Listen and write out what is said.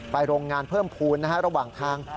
ไปโรงงานเพิ่มภูนินะฮะระหว่างทาง